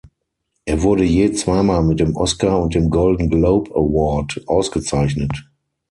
Er wurde je zweimal mit dem Oscar und dem Golden Globe Award ausgezeichnet.